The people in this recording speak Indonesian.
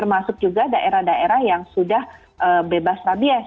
termasuk juga daerah daerah yang sudah bebas rabies